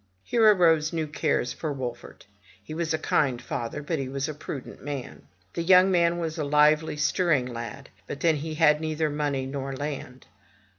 Here arose new cares for Wolfert. He was a kind father, but he was a prudent man. The young man was a lively, stirring lad; but then he had neither money nor land.